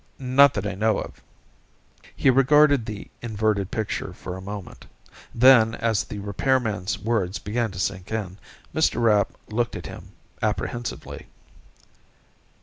Not that I know of." He regarded the inverted picture for a moment. Then, as the repairman's words began to sink in, Mr. Rapp looked at him apprehensively.